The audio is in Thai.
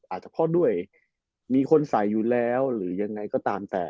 อาจจะเพราะด้วยมีคนใส่อยู่แล้วหรือยังไงก็ตามแต่